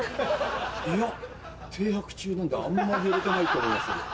いや停泊中なんであんまり揺れてないと思いますけど。